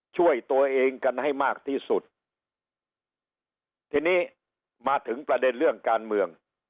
ช่วยตัวเองกันให้มากที่สุดทีนี้มาถึงประเด็นเรื่องการเมือง